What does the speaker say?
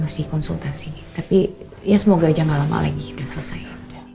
semoga tidak lama lagi sudah selesai